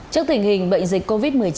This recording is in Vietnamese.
trước tình hình bệnh dịch covid một mươi chín